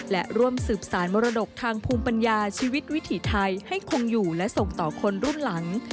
และร่วมสืบสารมรดกทางภูมิปัญญาชีวิตวิถีไทยให้คงอยู่และส่งต่อคนรุ่นหลัง